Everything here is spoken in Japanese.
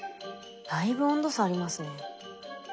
だいぶ温度差ありますね。